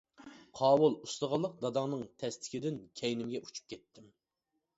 قاۋۇل، ئۇستىخانلىق داداڭنىڭ تەستىكىدىن كەينىمگە ئۇچۇپ كەتتىم.